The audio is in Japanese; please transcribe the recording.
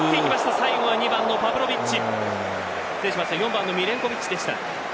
最後は４番のミレンコヴィッチでした。